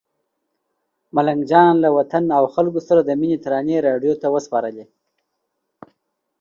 ملنګ جان له وطن او خلکو سره د مینې ترانې راډیو ته وسپارلې.